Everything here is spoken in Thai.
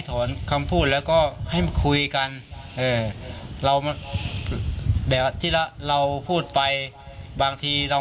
ถอนคำพูดแล้วก็ให้คุยกันเออเราแบบที่แล้วเราพูดไปบางทีเรา